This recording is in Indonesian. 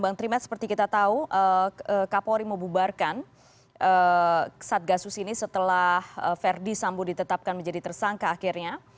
bank trimedia seperti kita tahu kapolri membubarkan saat kasus ini setelah verdi sambo ditetapkan menjadi tersangka akhirnya